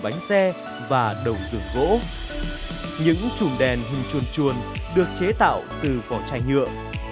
những trùng đèn hình chuồn chuồn được chế tạo từ vỏ chai nhựa